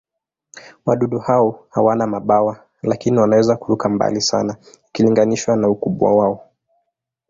Wadudu hao hawana mabawa, lakini wanaweza kuruka mbali sana ikilinganishwa na ukubwa wao.